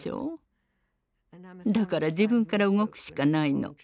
だから自分から動くしかないの。